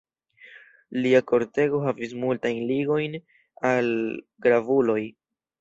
Lia kortego havis multajn ligojn al gravuloj.